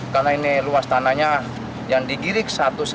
karena ini luas tanahnya yang digirik satu ratus sembilan puluh satu